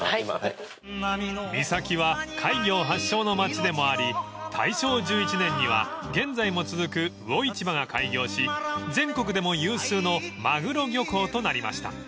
［三崎は海業発祥の町でもあり大正１１年には現在も続く魚市場が開業し全国でも有数のマグロ漁港となりました］